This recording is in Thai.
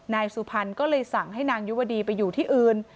นายสุพรรณก็เลยสั่งให้นางยุวดีไปอยู่ที่อื่น